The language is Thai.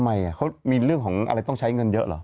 อะไรต้องใช้เงินเยอะเหรอ